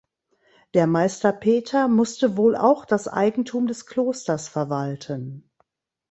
Der Meister Peter musste wohl auch das Eigentum des Klosters verwalten.